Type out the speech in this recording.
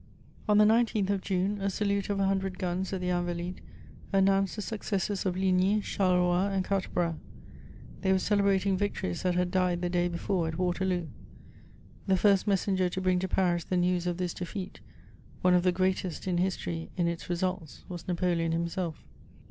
* On the 19th of June, a salute of a hundred guns at the Invalides announced the successes of Ligny, Charleroi and Quatre Bras; they were celebrating victories that had died the day before at Waterloo. The first messenger to bring to Paris the news of this defeat, one of the greatest in history in its results, was Napoleon himself.